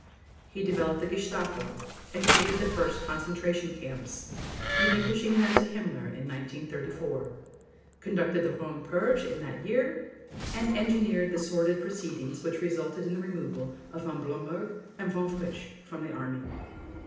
He developed the Gestapo, and created the first concentration camps, relinquishing them to Himmler in 1934, conducted the Röhm purge in that year, and engineered the sordid proceedings which resulted in the removal of Von Blomberg and Von Fritsch from the Army.